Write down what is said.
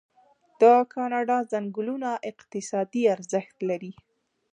د کاناډا ځنګلونه اقتصادي ارزښت لري.